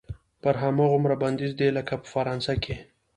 پرې هماغومره بندیز دی لکه په فرانسه کې.